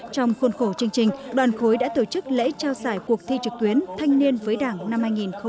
trong khuôn khổ chương trình đoàn khối đã tổ chức lễ trao giải cuộc thi trực tuyến thanh niên với đảng năm hai nghìn một mươi chín